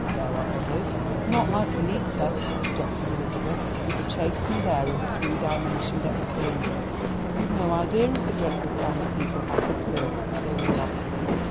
"There are others." "Not like Annita," objected Elizabeth, with the chastened air of a three dimensioned experience. "You've no idea of the dreadful times people have with servants here in Boston.